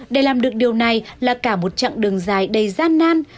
để làm được điều này là cả một chặng đường dài đầy gian nan